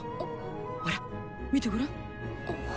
ほら見てごらん。